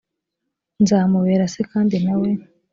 nzamubera se kandi na we